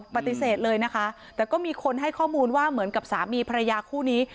ปฏิเสธเลยนะคะแต่ก็มีคนให้ข้อมูลว่าเหมือนกับสามีภรรยาคู่นี้